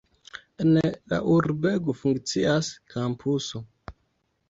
En la urbego funkcias kampuso.